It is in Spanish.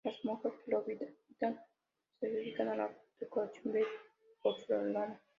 Las monjas que lo habitan se dedican la decoración de porcelana.